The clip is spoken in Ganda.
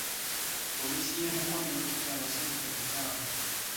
Poliisi y'e Mukono ekutte abasajja mukaaga